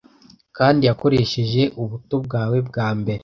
Kandi yakoresheje ubuto bwawe bwa mbere;